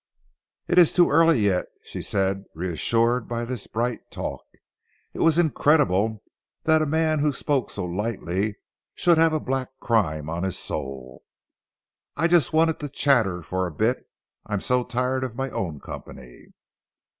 "It is too early yet," she said reassured by this bright talk. It was incredible that a man who spoke so lightly should have a black crime on his soul. "I just want to chatter for a bit; I am so tired of my own company."